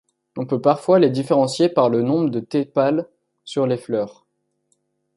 On peut parfois les différencier par le nombre de tépales sur les fleurs.